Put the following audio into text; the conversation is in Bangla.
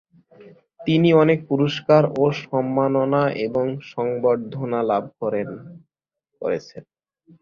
তিনি অনেক পুরস্কার ও সম্মাননা এবং সংবর্ধনা লাভ করেছেন।